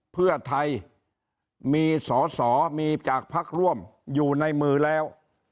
เพื่อไทยมีสอสอมีจากพักร่วมอยู่ในมือแล้ว